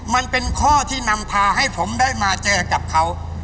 มันเป็นข้อที่นำพาให้ผมมาเจอเพื่อนกับเค้า